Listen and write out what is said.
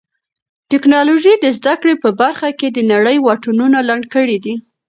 ټیکنالوژي د زده کړې په برخه کې د نړۍ واټنونه لنډ کړي دي.